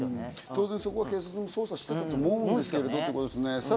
当然、警察も捜査してると思うんですけどね。